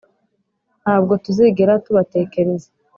ntabwo tuzigera tubatekereza